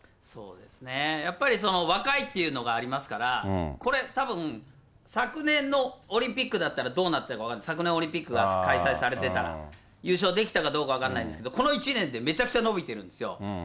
やっぱり若いというのがありますから、これたぶん、昨年のオリンピックだったらどうなってたか分かんない、昨年、オリンピックが開催されてたら、優勝できたかどうか分かんないですけど、この１年でめちゃくちゃ伸びてるんですよ。